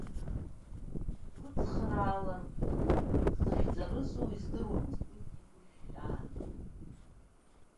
Длыцхраалартә длыхьӡарызу издыруамызт, уигьы игәхьаан.